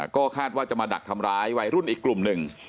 ก็คาดว่าจะมาดักทำร้ายวัยรุ่นอีกกลุ่มหนึ่ง